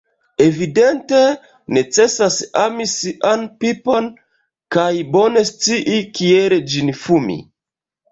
Evidente, necesas ami sian pipon kaj bone scii kiel ĝin fumi...